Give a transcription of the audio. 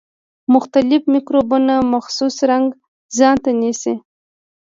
مختلف مکروبونه مخصوص رنګ ځانته نیسي.